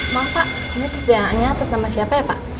maaf pak ini terus dh nya atas nama siapa ya pak